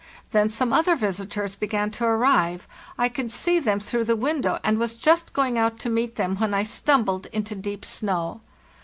Then some other visitors began to arrive; I could see them through the window, and was just going out to meet them when I stumbled into deep snow.